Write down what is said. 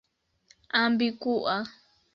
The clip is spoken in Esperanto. ambigua